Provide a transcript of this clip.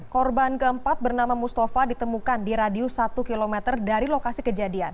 korban keempat bernama mustafa ditemukan di radius satu km dari lokasi kejadian